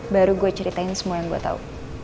baru gue ceritain semua yang gue tahu